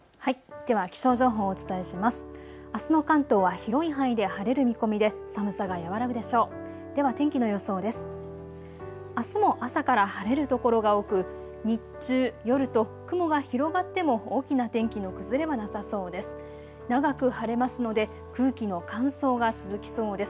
では気象情報をお伝えします。